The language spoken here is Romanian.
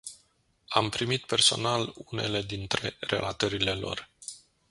Am primit personal unele dintre relatările lor.